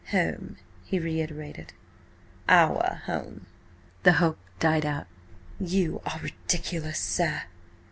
"Home," he reiterated. "Our home." The hope died out. "You are ridiculous, sir."